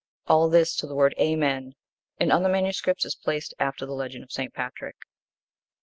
All this to the word 'Amen,' in other MSS. is placed after the legend of St. Patrick.